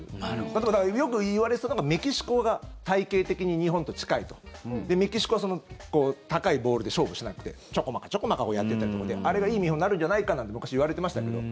例えば、よくいわれていたのがメキシコが体形的に日本と近いとメキシコは高いボールで勝負しなくてちょこまか、ちょこまかをやっていたりとかであれがいい見本になるんじゃないかなんて昔、いわれてましたけど。